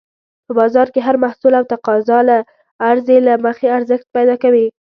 په بازار کې هر محصول د تقاضا او عرضې له مخې ارزښت پیدا کوي.